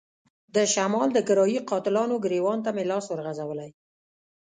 د شمال د کرايه ای قاتلانو ګرېوان ته مې لاس ورغځولی.